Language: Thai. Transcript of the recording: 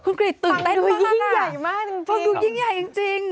คุณกรี๊ดตื่นเต้นมากฟังดูยิ่งใหญ่มากจริงครับฟังดูยิ่งใหญ่จริง